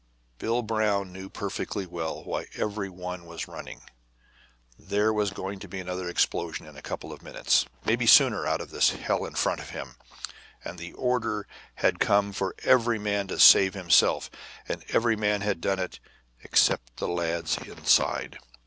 Bill Brown knew perfectly well why every one was running; there was going to be another explosion in a couple of minutes, maybe sooner, out of this hell in front of him. And the order had come for every man to save himself, and every man had done it, except the lads inside.